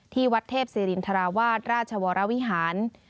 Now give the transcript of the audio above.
ที่วัดเทพศิรินทราวาสราชวรวิหาร